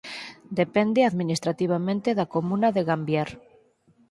Depende administrativamente da comuna de Gambier.